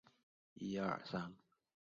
唯康文署未有回覆加设栏杆的原因。